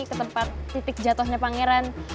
ke tempat titik jatuhnya pangeran